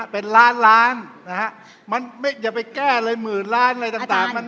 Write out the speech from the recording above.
เป็นล้านอย่าไปแก้เลยหมื่นล้านอะไรต่าง